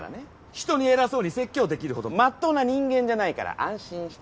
人に偉そうに説教できるほどまっとうな人間じゃないから安心して。